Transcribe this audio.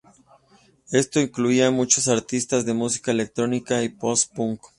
Esto incluía muchos artistas de música electrónica y "post-punk".